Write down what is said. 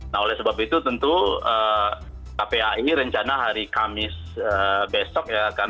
nah oleh sebab itu tentu kpai rencana hari kamis besok ya akan